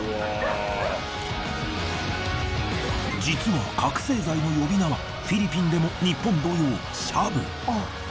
実は覚せい剤の呼び名はフィリピンでも日本同様シャブ。